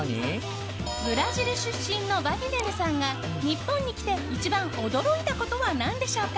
ブラジル出身のヴァギネルさんが日本に来て一番驚いたことは何でしょうか。